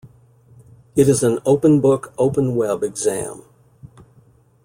It is an "Open-Book, Open-Web" exam.